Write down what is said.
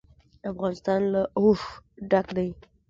افغانستان له اوښ ډک دی.